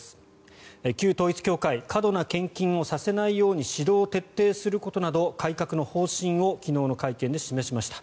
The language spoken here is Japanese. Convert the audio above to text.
旧統一教会過度な献金をさせないように指導を徹底することなど改革の方針を昨日の会見で示しました。